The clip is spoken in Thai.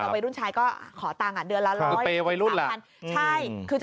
วัยรุ่นชายก็ขอตังค์เดือนละร้อย